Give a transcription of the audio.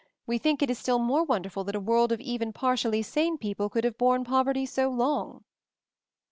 We think it is still more wonderful that a world of even par tially sane people could have borne poverty so long."